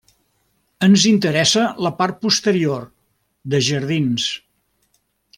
Ens interessa la part posterior, de jardins.